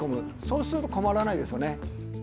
そうすると困らないですよね。